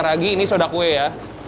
lagi ini soda kue ya